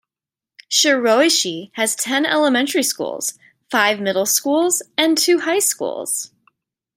Shiroishi has ten elementary schools, five middle schools and two high schools.